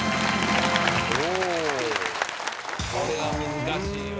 これは難しいわ。